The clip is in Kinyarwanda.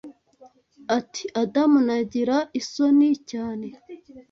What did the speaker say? ati adam nagira isoni cyane